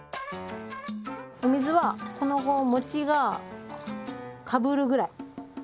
お水はこの餅がかぶるぐらい。